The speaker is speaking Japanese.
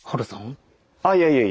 あっいやいやいやいや。